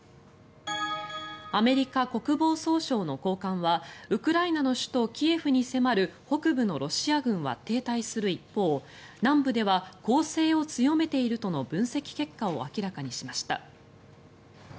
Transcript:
アメリカ国防総省の高官はウクライナの首都キエフに迫る北部のロシア軍は停滞する一方南部では攻勢を強めているとの分析結果を明らかにしました。